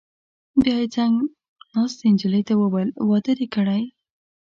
بیا یې څنګ ناستې نجلۍ ته وویل: واده دې کړی؟